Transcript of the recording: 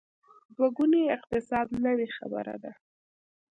دوه ګونی اقتصاد نوې خبره ده.